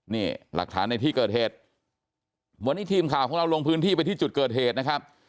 นี่หลักฐานในที่เกิดเหตุวันนี้ทีมข่าวของเราลงพื้นที่ไปที่จุดเกิดเหตุนะครับ